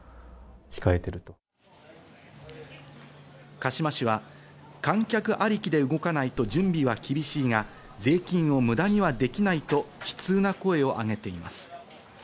鹿嶋市は、観客ありきで動かないと準備は厳しいが、税金を無駄にはできないと悲痛な声を上げています。